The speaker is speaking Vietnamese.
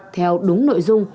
theo đúng nội dung